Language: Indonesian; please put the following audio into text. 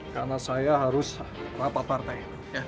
karena saya harus rapat partai